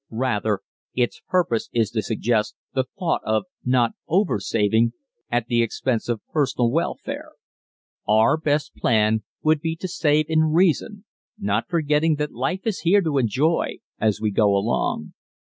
Rather, its purpose is to suggest the thought of not "over saving" at the expense of personal welfare. Our best plan would be to save in reason, not forgetting that life is here to enjoy as we go along.